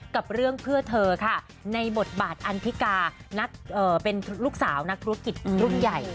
กับเรื่องเพื่อเธอค่ะในบทบาทอันทิกาเป็นลูกสาวนักธุรกิจรุ่นใหญ่